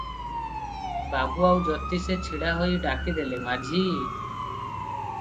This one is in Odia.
ବାବୁ ଆଉ ଜ୍ୟୋତିଷେ ଛିଡ଼ା ହୋଇ ଡାକିଦେଲେ, "ମାଝି!"